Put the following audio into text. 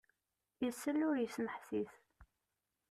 Isell ur yesmeḥsis!